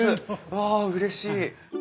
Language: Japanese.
わあうれしい。